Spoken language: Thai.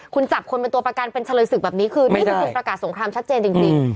คุณจับคนเป็นตัวประกันเป็นเฉลยศึกแบบนี้คือนี่คือประกาศสงครามชัดเจนจริง